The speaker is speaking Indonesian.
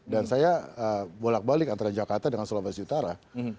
dan saya bolak balik antara jakarta dengan sulawesi utara